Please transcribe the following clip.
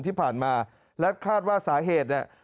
ที่ผ่านมาและคาดว่าสาเหตุเนี่ย